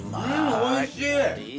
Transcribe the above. おいしい。